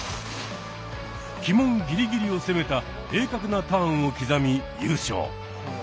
旗門ギリギリを攻めた鋭角なターンを刻み優勝。